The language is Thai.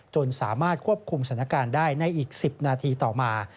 จนสามารถควบคุมสถานการณ์ได้ในอีก๑๐นาทีต่อมา